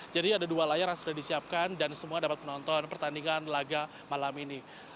jadi ada dua layar yang sudah disiapkan dan semua dapat menonton pertandingan laga malam ini